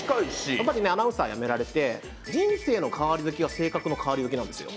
やっぱりアナウンサー辞められて人生の変わり時が性格の変わり時なんですよ